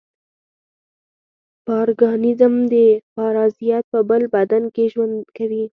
پارګانېزم پارازیت په بل بدن کې ژوند کوي.